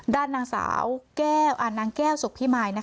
ด้านนางแก้วสุขภิมาย